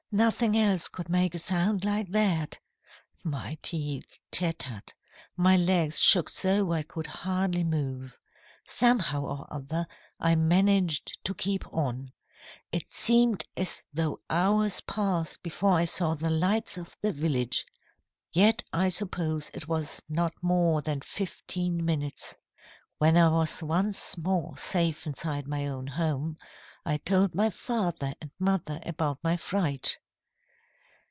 'Nothing else could make a sound like that.' My teeth chattered. My legs shook so, I could hardly move. Somehow or other, I managed to keep on. It seemed as though hours passed before I saw the lights of the village. Yet I suppose it was not more than fifteen minutes. "When I was once more safe inside my own home, I told my father and mother about my fright.